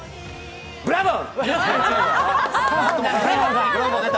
ブラボー！！